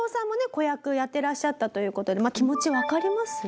子役やってらっしゃったという事で気持ちわかります？